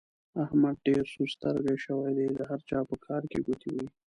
احمد ډېر سور سترګی شوی دی؛ د هر چا په کار کې ګوتې وهي.